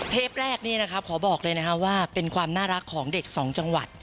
เทปแรกนี่นะครับขอบอกเลยนะครับว่าเป็นความน่ารักของเด็กสองจังหวัด